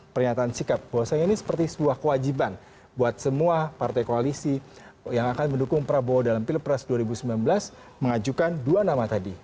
pernyataan sikap bahwasanya ini seperti sebuah kewajiban buat semua partai koalisi yang akan mendukung prabowo dalam pilpres dua ribu sembilan belas mengajukan dua nama tadi